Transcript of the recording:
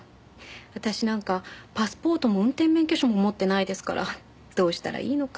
私なんかパスポートも運転免許証も持ってないですからどうしたらいいのか。